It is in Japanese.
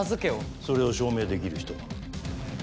それを証明できる人は？